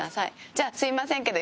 じゃあすいませんけど。